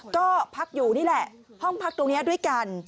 ก็พักอยู่นี่แหละห้องพักตรงนี้ด้วยกัน